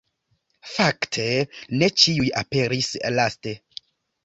Fakte ne ĉiuj aperis laste.